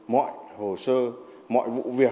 mọi hồ sơ mọi vụ việc